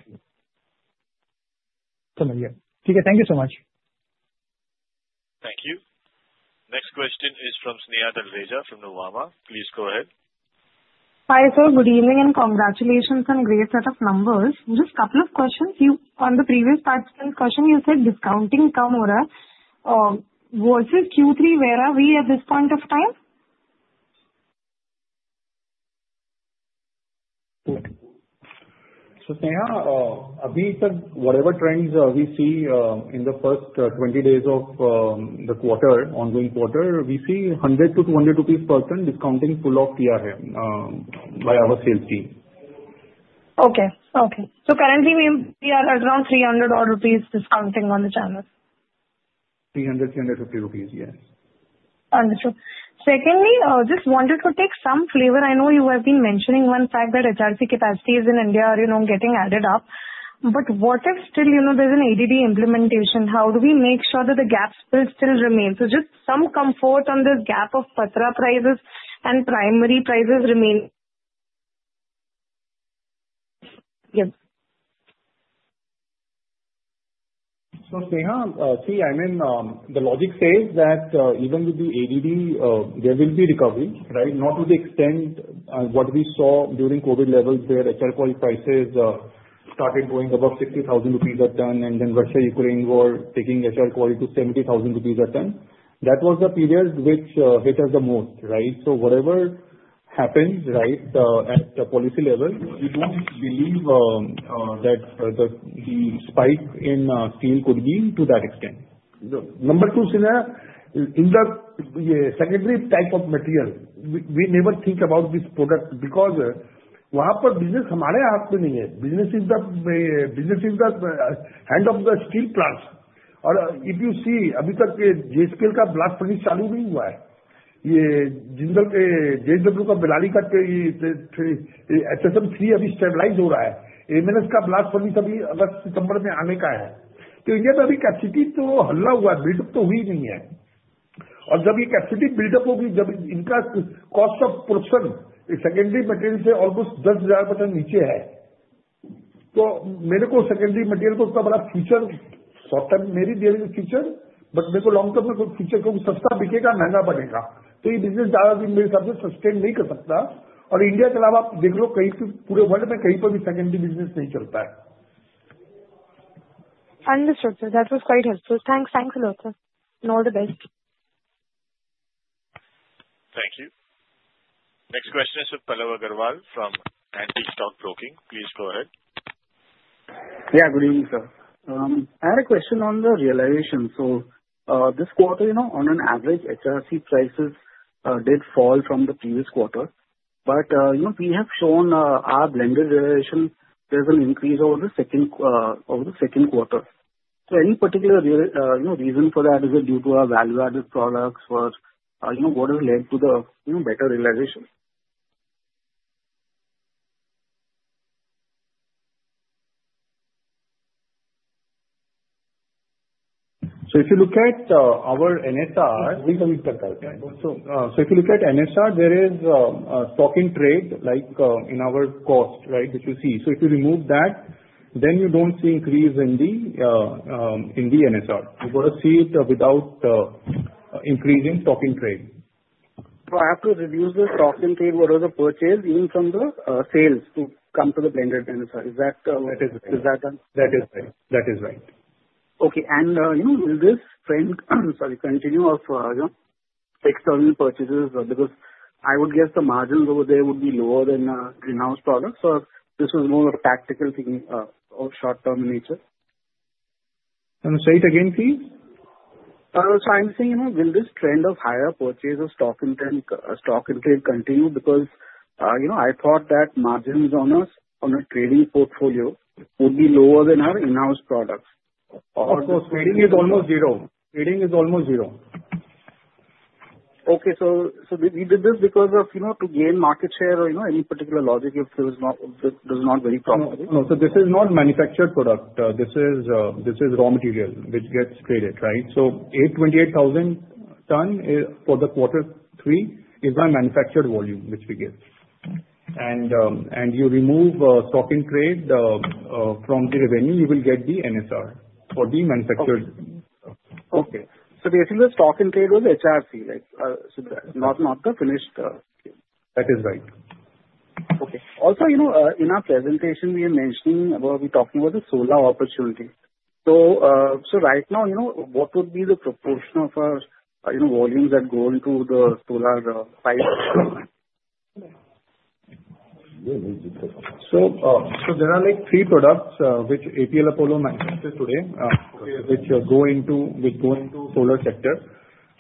समझ गया. ठीक है. Thank you so much. Thank you. Next question is from Sneha Talreja from Nuvama. Please go ahead. Hi sir. Good evening and congratulations on great set of numbers. Just couple of questions. On the previous participant question, you said discounting कम हो रहा है. Versus Q3, where are we at this point of time? Sneha, abhi tak whatever trends we see in the first 20 days of the quarter, ongoing quarter, we see 100-200 rupees per ton discounting pull off kiya hai by our sales team. So currently we are at around INR 300 or so rupees discounting on the channel. INR 300-350, yes. Understood. Secondly, just wanted to take some flavor. I know you have been mentioning one fact that HRC capacities in India are getting added up. But what if still there's an ADD implementation? How do we make sure that the gap still remains? So just some comfort on this gap of patra prices and primary prices remaining. Yes. Sneha, see, I mean, the logic says that even with the ADD, there will be recovery, right? Not to the extent what we saw during COVID levels where HR quality prices started going above 60,000 rupees a ton, and then Russia, Ukraine were taking HR quality to 70,000 rupees a ton. That was the period which hit us the most, right? Whatever happens, right, at the policy level, we don't believe that the spike in steel could be to that extent. Number two, Sneha, in the secondary type of material, we never think about this product because वहां पर business हमारे हाथ में नहीं है. Business is the hand of the steel plants. और if you see, अभी तक JSPL का blast furnace चालू नहीं हुआ है. ये JSW का Bellary HSM-3 अभी stabilize हो रहा है. AMNS का blast furnace अभी अगस्त-सितंबर में आने का है. तो India में अभी capacity तो हल्ला हुआ है, build up तो हुई नहीं है. और जब ये capacity build up होगी, जब इनका cost of production secondary material से almost INR 10,000 per ton नीचे है, तो मेरे को secondary material को उतना बड़ा future, short term maybe there is a future, but मेरे को long term में कोई future क्योंकि सस्ता बिकेगा, महंगा बनेगा. तो ये business ज्यादा दिन मेरे हिसाब से sustain नहीं कर सकता. और India के अलावा आप देख लो, कहीं पूरे world में कहीं पर भी secondary business नहीं चलता है. Understood, sir. That was quite helpful. Thanks, thanks a lot, sir, and all the best. Thank you. Next question is with Pallav Agarwal from Antique Stock Broking. Please go ahead. Yeah, good evening, sir. I had a question on the realization. So this quarter, you know, on an average, HRC prices did fall from the previous quarter. But we have shown our blended realization. There's an increase over the Q2. So any particular reason for that? Is it due to our value-added products or what has led to the better realization? So if you look at our NSR, so if you look at NSR, there is stock in trade like in our cost, right, which you see. So if you remove that, then you don't see increase in the NSR. You're going to see it without increasing stock in trade. I have to reduce the stock in trade or the purchase even from the sales to come to the blended NSR. Is that? That is right. That is right. Okay, and will this trend, sorry, continue of external purchases because I would guess the margins over there would be lower than in-house products? Or this was more of a practical thing of short-term nature? Can you say it again, please? I'm saying, will this trend of higher purchase of stock in trade continue? Because I thought that margins on a trading portfolio would be lower than our in-house products. Of course. Trading is almost zero. Okay. So we did this because of to gain market share or any particular logic if it was not very profitable? No. So this is not manufactured product. This is raw material which gets traded, right? So 28,000 ton for the quarter three is our manufactured volume which we get. And you remove stock in trade from the revenue, you will get the NSR for the manufactured. Okay. So basically the stock in trade was HRC, right? Not the finished. That is right. Okay. Also, in our presentation, we're talking about the solar opportunity. So right now, what would be the proportion of volumes that go into the solar? There are three products which APL Apollo manufactured today, which go into the solar sector.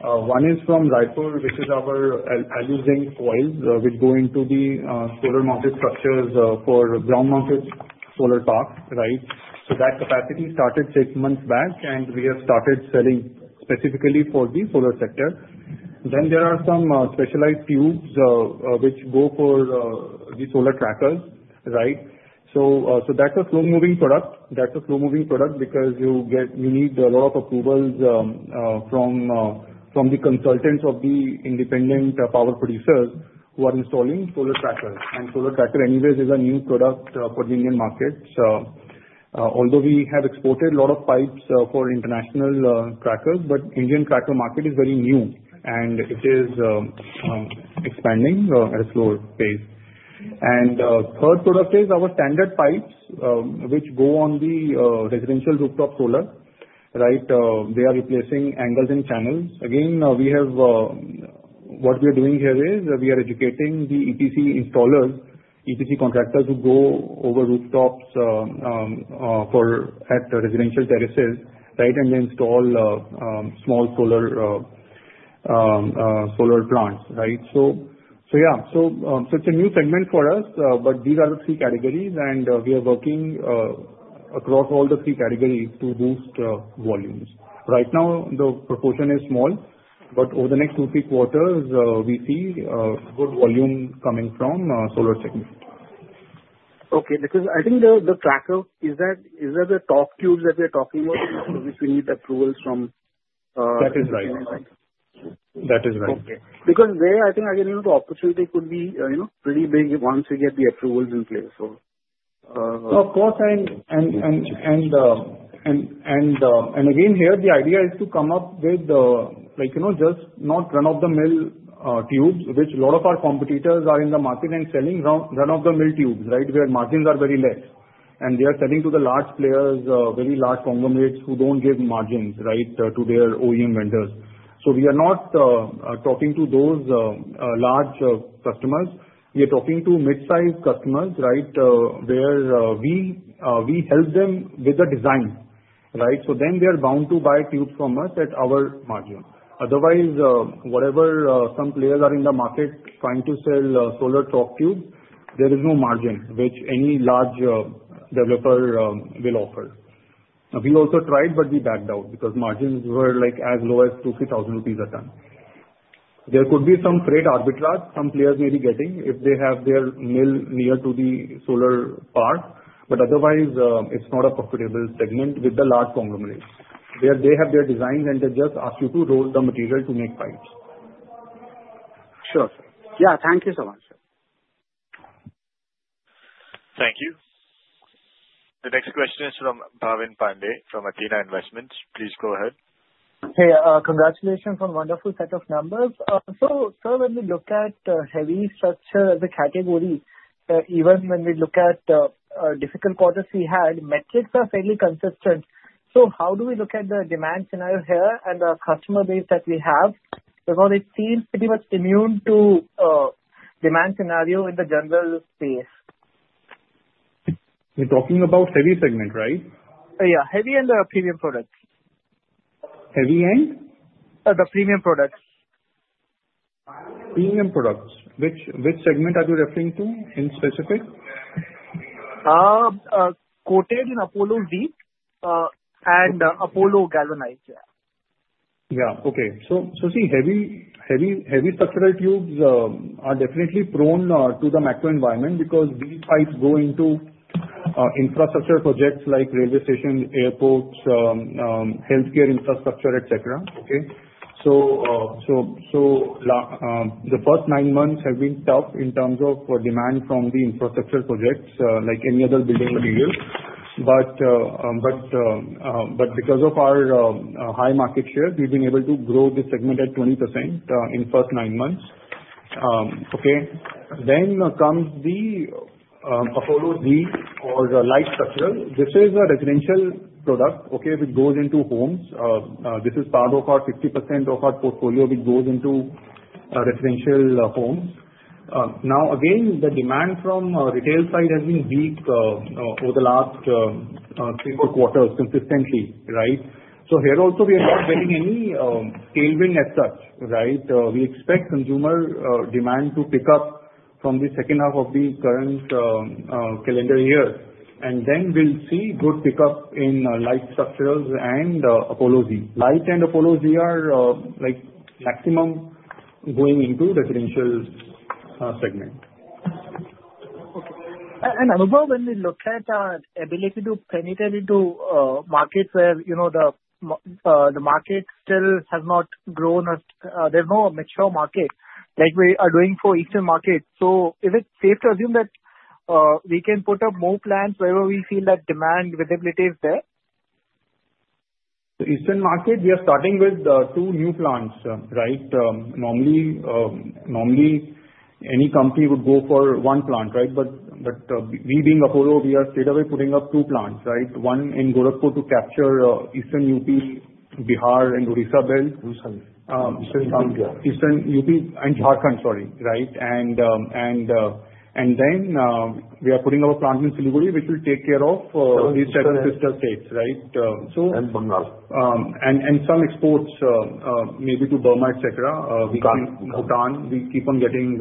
One is from Raipur, which is our alu-zinc coils, which go into the solar mounted structures for ground mounted solar park, right? That capacity started six months back, and we have started selling specifically for the solar sector. Then there are some specialized tubes which go for the solar trackers, right? That's a slow-moving product. That's a slow-moving product because you need a lot of approvals from the consultants of the independent power producers who are installing solar trackers. Solar tracker anyways is a new product for the Indian market. Although we have exported a lot of pipes for international trackers, the Indian tracker market is very new, and it is expanding at a slower pace. And third product is our standard pipes, which go on the residential rooftop solar, right? They are replacing angles and channels. Again, what we are doing here is we are educating the EPC installers, EPC contractors who go over rooftops at residential terraces, right, and they install small solar plants, right? So yeah. So it's a new segment for us, but these are the three categories, and we are working across all the three categories to boost volumes. Right now, the proportion is small, but over the next two, three quarters, we see good volume coming from solar segment. Okay. Because I think the tracker, is that the top tubes that we are talking about, which we need approvals from? That is right. That is right. Okay. Because there, I think, again, the opportunity could be pretty big once we get the approvals in place, so. Of course. And again, here, the idea is to come up with just not run-of-the-mill tubes, which a lot of our competitors are in the market and selling run-of-the-mill tubes, right, where margins are very less. And they are selling to the large players, very large conglomerates who don't give margins, right, to their OEM vendors. So we are not talking to those large customers. We are talking to mid-size customers, right, where we help them with the design, right? So then they are bound to buy tubes from us at our margin. Otherwise, whatever some players are in the market trying to sell solar torque tubes, there is no margin which any large developer will offer. We also tried, but we backed out because margins were as low as 2,000 rupees a ton. There could be some trade arbitrage some players may be getting if they have their mill near to the solar park, but otherwise, it's not a profitable segment with the large conglomerates. They have their designs, and they just ask you to roll the material to make pipes. Sure. Yeah. Thank you so much, sir. Thank you. The next question is from Bhavin Pande from Athena Investments. Please go ahead. Hey, congratulations on wonderful set of numbers. So when we look at heavy structural as a category, even when we look at difficult quarters we had, metrics are fairly consistent. So how do we look at the demand scenario here and the customer base that we have? Because it seems pretty much immune to demand scenario in the general space. You're talking about heavy segment, right? Yeah. Heavy and the premium products. Heavy and? The premium products. Premium products. Which segment are you referring to in specific? Coated in Apollo Z and Apollo Galvanized, yeah. Yeah. Okay. So see, heavy structural tubes are definitely prone to the macro environment because these pipes go into infrastructure projects like railway stations, airports, healthcare infrastructure, etc. Okay? So the first nine months have been tough in terms of demand from the infrastructure projects like any other building material. But because of our high market share, we've been able to grow this segment at 20% in the first nine months. Okay? Then comes the Apollo Z or light structural. This is a residential product, okay, which goes into homes. This is part of our 60% of our portfolio which goes into residential homes. Now, again, the demand from retail side has been weak over the last three or four quarters consistently, right? So here also, we are not getting any tailwind as such, right? We expect consumer demand to pick up from the second half of the current calendar year. Then we'll see good pickup in light structurals and Apollo Z. Light and Apollo Z are maximum going into residential segment. Another one, when we look at our ability to penetrate into markets where the market still has not grown as there's no mature market like we are doing for eastern markets, so is it safe to assume that we can put up more plants wherever we feel that demand visibility is there? The Eastern market, we are starting with two new plants, right? Normally, any company would go for one plant, right? But we being Apollo, we are straight away putting up two plants, right? One in Gorakhpur to capture Eastern UP, Bihar, and Orissa belt. Orissa belt. Eastern UP and Jharkhand, sorry, right, and then we are putting up a plant in Siliguri, which will take care of these seven sister states, right? And Bengal. Some exports maybe to Burma, etc. Ghana. Bhutan. We keep on getting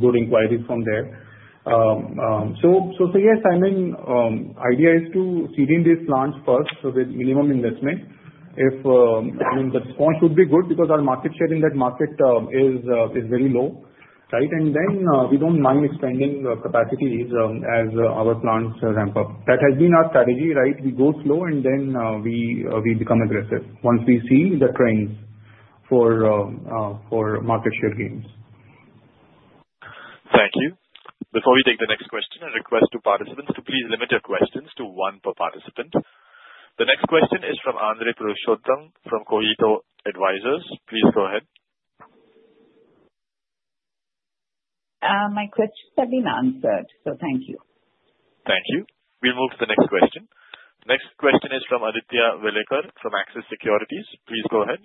good inquiries from there. So yes, I mean, the idea is to seed in these plants first with minimum investment. I mean, the response would be good because our market share in that market is very low, right? And then we don't mind expanding capacities as our plants ramp up. That has been our strategy, right? We go slow, and then we become aggressive once we see the trends for market share gains. Thank you. Before we take the next question, I request two participants to please limit your questions to one per participant. The next question is from Andre Purushottam from Cogito Advisors. Please go ahead. My questions have been answered, so thank you. Thank you. We'll move to the next question. The next question is from Aditya Welekar from Axis Securities. Please go ahead.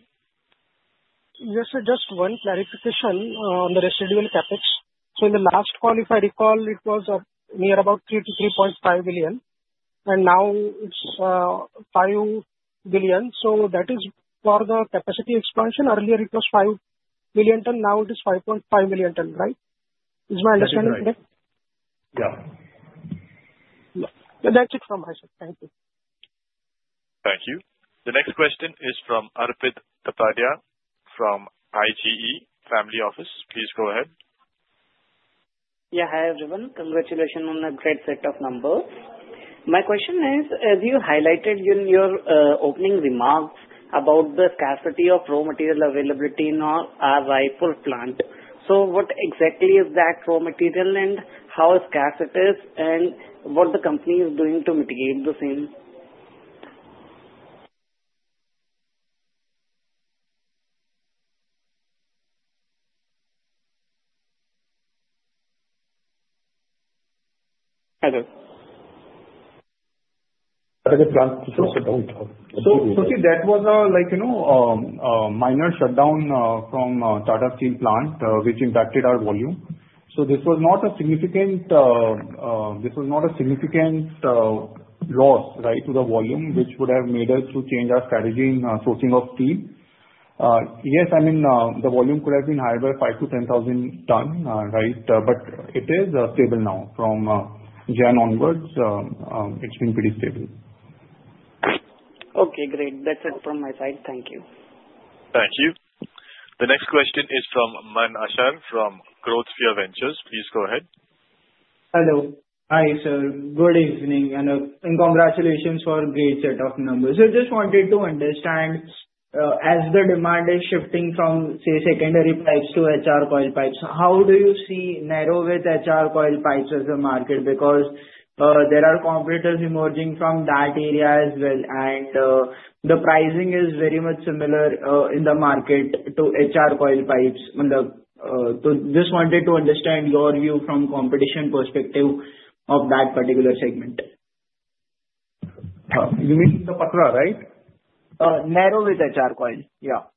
Yes, sir. Just one clarification on the residual Capex. So in the last quarterly call, it was near about 3-3.5 billion. And now it's 5 billion. So that is for the capacity expansion. Earlier, it was 5 million ton. Now it is 5.5 million ton, right? Is my understanding correct? Yes. Yeah. That's it from my side. Thank you. Thank you. The next question is from Arpit Kataria from IGE Family Office. Please go ahead. Yeah. Hi everyone. Congratulations on a great set of numbers. My question is, as you highlighted in your opening remarks about the scarcity of raw material availability in our Raipur plant, so what exactly is that raw material and how scarce it is, and what the company is doing to mitigate the same? So see, that was a minor shutdown from Tata Steel plant, which impacted our volume. So this was not a significant loss, right, to the volume, which would have made us to change our strategy in sourcing of steel. Yes, I mean, the volume could have been higher by 5-10 thousand tons, right? But it is stable now. From January onwards, it's been pretty stable. Okay. Great. That's it from my side. Thank you. Thank you. The next question is from Manan Shah from Growth Sphere Ventures. Please go ahead. Hello. Hi, sir. Good evening and congratulations for a great set of numbers, so I just wanted to understand, as the demand is shifting from, say, secondary pipes to HR coil pipes, how do you see narrow-width HR coil pipes as a market? Because there are competitors emerging from that area as well, and the pricing is very much similar in the market to HR coil pipes, so just wanted to understand your view from competition perspective of that particular segment. You mean the patra, right? Narrow-width HR coil. Yeah.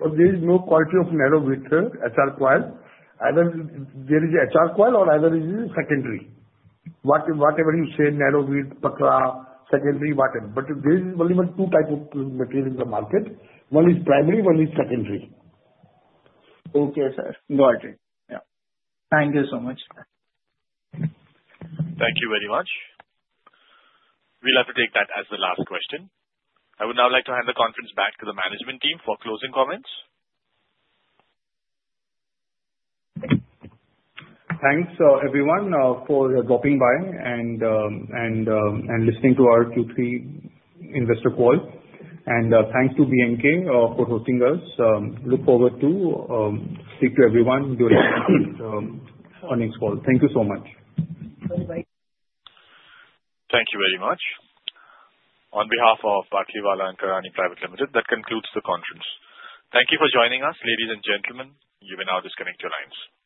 There is no quality of narrow-width HR coil. Either there is HR coil or either it is secondary. Whatever you say, narrow-width, patra, secondary, whatever. But there is only two types of material in the market. One is primary, one is secondary. Okay, sir. Got it. Yeah. Thank you so much. Thank you very much. We'll have to take that as the last question. I would now like to hand the conference back to the management team for closing comments. Thanks, everyone, for dropping by and listening to our Q3 Investor Call, and thanks to B&K for hosting us. Look forward to speaking to everyone during the next call. Thank you so much. All right. Thank you very much. On behalf of Batlivala & Karani Securities India Private Limited, that concludes the conference. Thank you for joining us, ladies and gentlemen. You may now disconnect your lines.